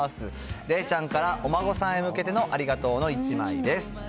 れいちゃんからお孫さんへ向けてのありがとうの１枚です。